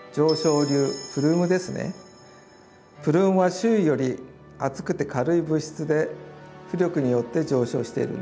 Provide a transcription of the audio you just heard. プルームは周囲より熱くて軽い物質で浮力によって上昇しているんです。